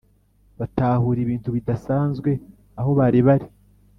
batahura ibintu bidasanzwe aho bari bari